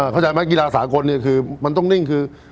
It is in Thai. เข้าใจไหมกิลาสากลมันต้องดิ้งคือ